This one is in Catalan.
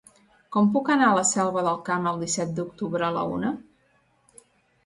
Com puc anar a la Selva del Camp el disset d'octubre a la una?